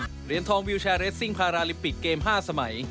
เหรียญทองวิวแชร์เรสซิ่งพาราลิมปิกเกม๕สมัย